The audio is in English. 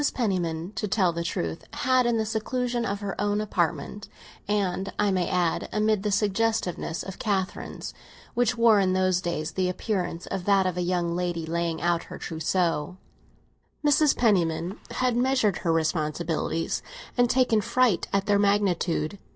Penniman, to tell the truth, had, in the seclusion of her own apartment—and, I may add, amid the suggestiveness of Catherine's, which wore in those days the appearance of that of a young lady laying out her trousseau—Mrs. Penniman had measured her responsibilities, and taken fright at their magnitude.